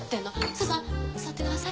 スーさん座ってください。